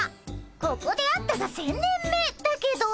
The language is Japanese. ここで会ったが１，０００年目だけど。